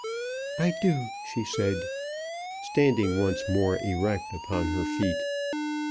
"I do," she said, standing once more erect upon her feet.